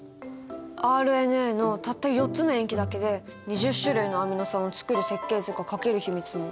ＲＮＡのたった４つの塩基だけで２０種類のアミノ酸を作る設計図が描ける秘密もそこに隠されてるのかも！